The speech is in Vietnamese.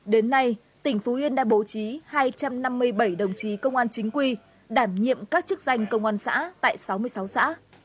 đến nay tỉnh phú yên đã bố trí hai trăm năm mươi bảy đồng chí công an chính quy đảm nhiệm các chức danh công an xã tại sáu mươi sáu xã